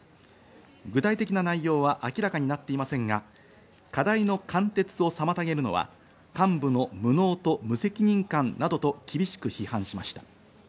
具体的な内容は明らかになっていませんが、課題の貫徹を妨げるのは、幹部の無能と無責任感などと厳しく批判しました。